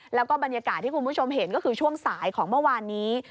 แล้วก็บรรยากาศที่คุณผู้ชมเห็นก็คือช่วงสายของเมื่อวานนี้